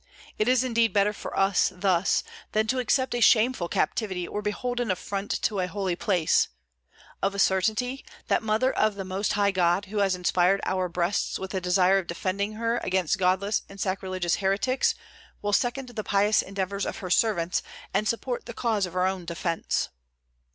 It is indeed better for us thus than to accept a shameful captivity or behold an affront to a holy place; of a certainty, that Mother of the Most High God who has inspired our breasts with a desire of defending Her against godless and sacrilegious heretics will second the pious endeavors of Her servants and support the cause of Her own defence."